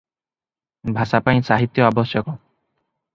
ଭାଷା ପାଇଁ ସାହିତ୍ୟ ଆବଶ୍ୟକ ।